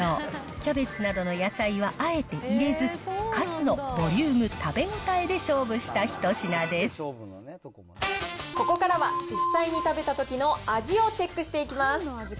キャベツなどの野菜はあえて入れず、カツのボリューム、ここからは、実際に食べたときの味をチェックしていきます。